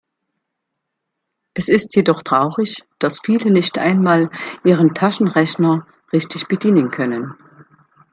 Es ist jedoch traurig, dass viele nicht einmal ihren Taschenrechner richtig bedienen können.